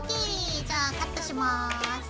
じゃあカットします。